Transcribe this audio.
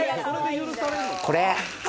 これ。